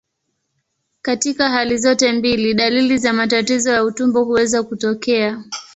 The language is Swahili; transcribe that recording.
Katika hali zote mbili, dalili za matatizo ya utumbo huweza kutokea.